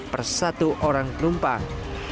per satu orang kelumpang